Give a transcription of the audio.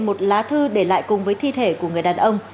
một lá thư để lại cùng với thi thể của người đàn ông